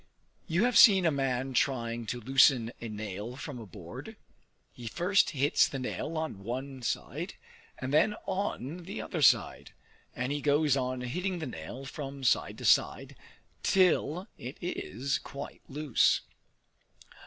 You have seen a man trying to loosen a nail from a board? He first hits the nail on one side, and then on the other side; and he goes on hitting the nail from side to side, till it is quite loose.